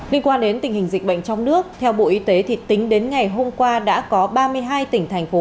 liên quan đến tình hình dịch bệnh trong nước theo bộ y tế thì tính đến ngày hôm qua đã có ba mươi hai tỉnh thành phố